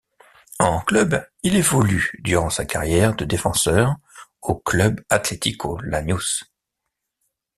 En club, il évolue durant sa carrière de défenseur au Club Atlético Lanús.